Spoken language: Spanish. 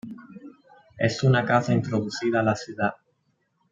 Es una casa "introducida a la ciudad".